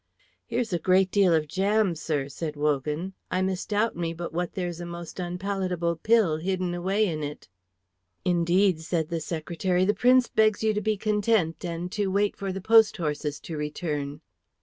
"Here's a great deal of jam, sir," said Wogan. "I misdoubt me but what there's a most unpalatable pill hidden away in it." "Indeed," said the secretary, "the Prince begs you to be content and to wait for the post horses to return."